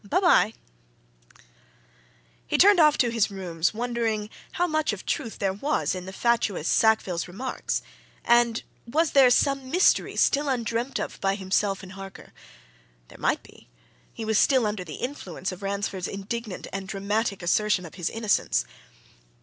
"By bye!" He turned off to his rooms, wondering how much of truth there was in the fatuous Sackville's remarks. And was there some mystery still undreamt of by himself and Harker? There might be he was still under the influence of Ransford's indignant and dramatic assertion of his innocence.